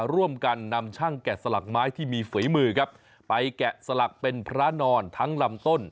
ร่วมกันนำช่างแกะสลักไม้ที่มีฝีมือครับไปแกะสลักเป็นพระนอนทั้งลำต้น